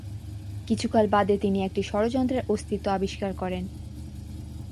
কিছুকাল বাদে তিনি একটি ষড়যন্ত্রের অস্তিত্ব আবিষ্কার করেন।